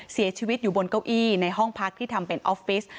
เสียชีวิตอยู่บนเก้าอี้ในห้องพักที่ทำเป็นออฟฟิศ